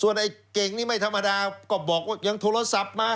ไอ้เก่งนี่ไม่ธรรมดาก็บอกว่ายังโทรศัพท์มา